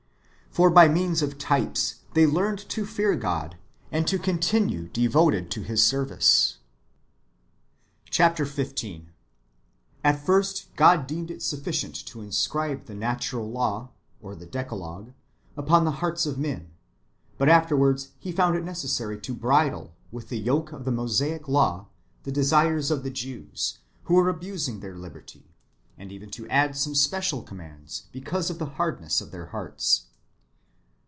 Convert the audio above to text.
For by means of types they learned to fear Godj and to continue devoted to His service. Chap. xv. — At first God deemed it sujjlcient to inscribe the natural law, or the Decalogue, upon the hearts of men ; hut afterwards He found it necessary to bridle, with the yoke of the Mosaic law, the desires of the Jews, who icere abusing their liberty ; and even to add some special commands, because of the hardness of their hearts.